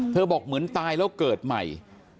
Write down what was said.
บอกเหมือนตายแล้วเกิดใหม่